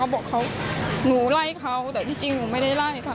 บอกเขาหนูไล่เขาแต่ที่จริงหนูไม่ได้ไล่ค่ะ